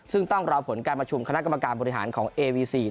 ซึ่งต้องรอผลการประชุมคณะกรรมการบริหารของเอวีซี